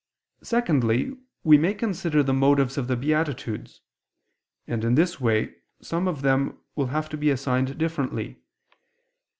Secondly, we may consider the motives of the beatitudes: and, in this way, some of them will have to be assigned differently.